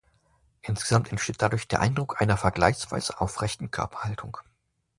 Insgesamt entsteht dadurch der Eindruck einer vergleichsweise aufrechten Körperhaltung.